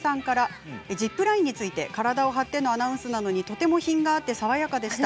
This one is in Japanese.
ジップラインについて体を張ってのアナウンスなのにとても品があって爽やかでした。